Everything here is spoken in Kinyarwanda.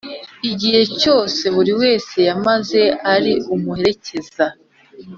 igihe cyose buri wese yamaze ari umuherekeza